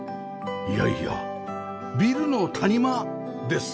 いやいやビルの谷間です